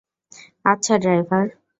আচ্ছা, ড্রাইভার।